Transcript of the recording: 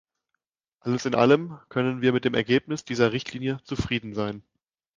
Alles in allem können wir mit dem Ergebnis dieser Richtlinie zufrieden sein.